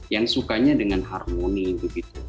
yang sukanya dengan harmoni begitu